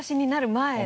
前？